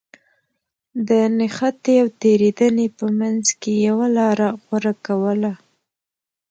د نښتې او تېرېدنې په منځ کې يوه لاره غوره کوله.